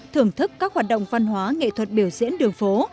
thưởng thức các hoạt động văn hóa nghệ thuật biểu diễn đường phố